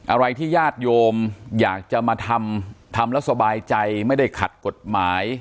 อะไรที่ญาติโยมอยากจะมาทำทำแล้วสบายใจไม่ได้ขัดกฎหมาย